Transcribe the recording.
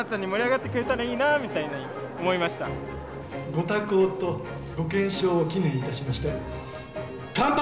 ご多幸とご健勝を祈念いたしまして乾杯！